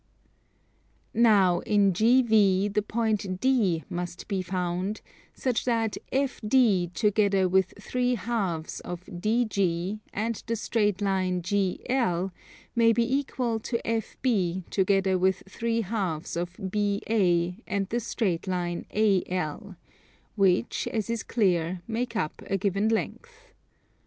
Now in GV the point D must be found such that FD together with 3/2 of DG and the straight line GL, may be equal to FB together with 3/2 of BA and the straight line AL; which, as is clear, make up a given length.